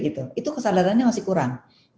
itu kesadarannya masih kurang